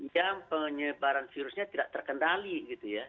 yang penyebaran virusnya tidak terkendali gitu ya